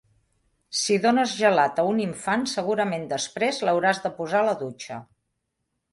Si dones gelat a un infant, segurament després l'hauràs de posar a la dutxa.